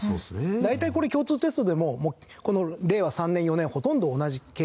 大体これ共通テストでも令和３年４年ほとんど同じ形式。